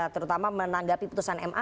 terutama menanggapi putusan ma